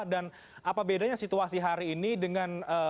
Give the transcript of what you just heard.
dan apa bedanya situasi hari ini dengan